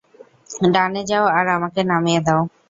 ডানে যাও আর আমাকে নামিয়ে দাও।